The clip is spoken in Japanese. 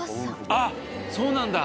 あっそうなんだ。